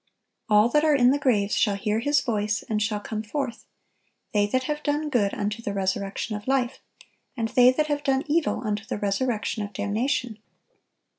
"All that are in the graves shall hear His voice, and shall come forth; they that have done good, unto the resurrection of life; and they that have done evil, unto the resurrection of damnation."